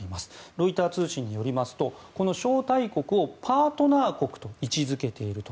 ロイター通信によりますとこの招待国をパートナー国と位置付けていると。